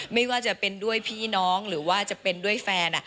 ไม่ว่าจะเป็นด้วยพี่น้องหรือด้วยแฟน